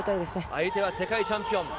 相手は世界チャンピオン。